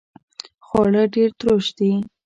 خواړه ډیر تروش دي